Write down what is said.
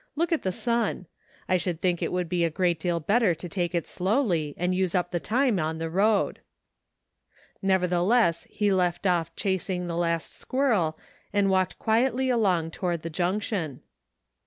Look at the sun. I should think it would be a great deal better to take it slowly and use up the time on tlie road." Nevertheless he left off chasing the last squirrel and walked quietly along toward the junction.